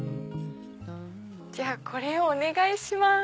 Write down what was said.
じゃあこれをお願いします。